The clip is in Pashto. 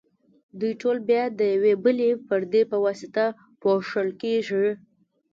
دوی ټول بیا د یوې بلې پردې په واسطه پوښل کیږي.